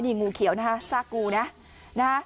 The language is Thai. นี่งูเขียวนะฮะซากงูนะ